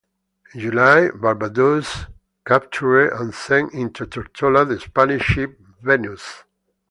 In July "Barbadoes" captured and sent into Tortola the Spanish ship "Venus".